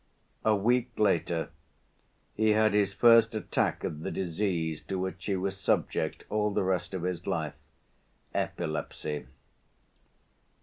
A week later he had his first attack of the disease to which he was subject all the rest of his life—epilepsy.